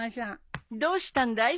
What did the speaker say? どうしたんだい？